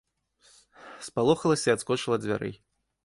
Спалохалася і адскочыла ад дзвярэй.